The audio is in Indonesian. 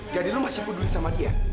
jadi lu masih peduli sama dia